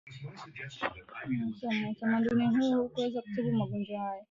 utamaduni huo haukuweza kutibu magonjwa hayo